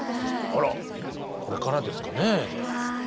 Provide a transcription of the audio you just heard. あらこれからですかね。